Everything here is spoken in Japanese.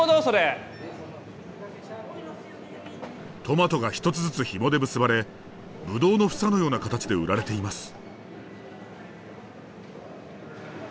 トマトが一つずつひもで結ばれぶどうの房のような形で売られています。